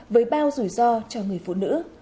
với bao rủi ro cho người phụ nữ